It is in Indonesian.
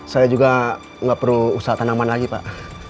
saya juga nggak perlu usaha tanaman lagi pak